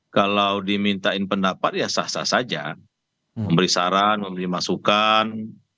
kalau dimintain pendapat ya sah sah saja memberi saran memberi masukan